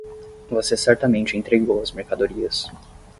Você certamente entregou as mercadorias.